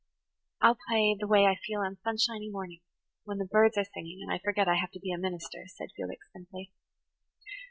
"I'll play the way I feel on sunshiny mornings, when the birds are singing and I forget I have to be a minister," said Felix simply.